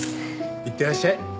いってらっしゃい。